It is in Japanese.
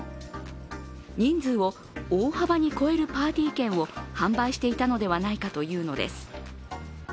人数を大幅に超えるパーティー券を販売していたのではないかというのです。